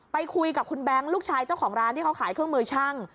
ไปคุยกับคุณแบงค์ลูกชายเจ้าของร้านที่เขาขายเครื่องมือช่าง